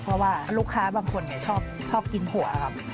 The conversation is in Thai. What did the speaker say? เพราะว่าลูกค้าบางคนชอบกินถั่วครับ